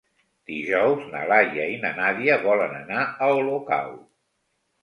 Dijous na Laia i na Nàdia volen anar a Olocau.